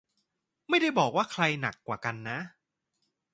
ไม่ได้บอกว่าใครหนักกว่ากันนะ